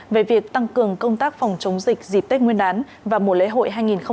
về việc tăng cường công tác phòng chống dịch dịp tết nguyên đán và mùa lễ hội hai nghìn hai mươi bốn